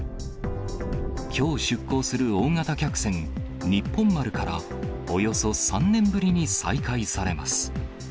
きょう出港する大型客船、にっぽん丸からおよそ３年ぶりに再開されます。